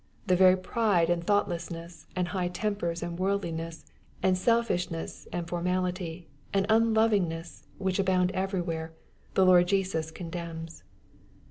The very pride, and thoughtlessness, and high tempers, and worldliness, and selfishness, and formality, and unlovingness, which abound everywhere, the Lord Jesus condemns.